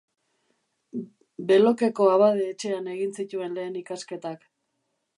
Belokeko abade-etxean egin zituen lehen ikasketak.